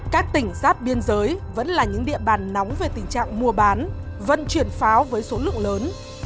các tỉnh giáp biên giới vẫn là những địa bàn nóng về tình trạng mua bán vận chuyển pháo với số lượng lớn